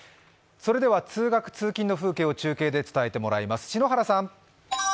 通学・通勤の風景を中継でお伝えしてもらいます。